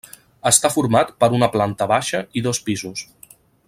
Està format per una planta baixa i dos pisos.